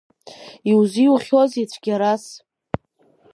Иузиухьозеи цәгьарас?